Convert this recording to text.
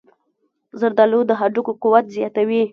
زردآلو د هډوکو قوت زیاتوي.